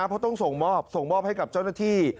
พวกเขาต้องส่งมอบไข่ให้กับเจ้าหน้าที่